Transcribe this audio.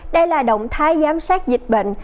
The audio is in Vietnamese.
đây là động thái giám sát dịch bệnh